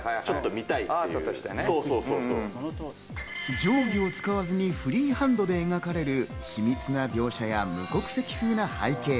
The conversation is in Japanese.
定規を使わずにフリーハンドで描かれる緻密な描写や、無国籍風な背景。